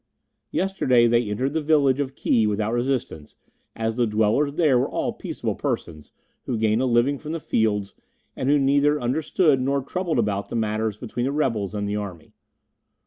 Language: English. "Yesterday they entered the village of Ki without resistance, as the dwellers there were all peaceable persons, who gain a living from the fields, and who neither understood nor troubled about the matters between the rebels and the army.